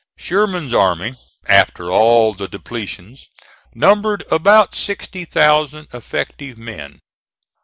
Sherman's army, after all the depletions, numbered about sixty thousand effective men.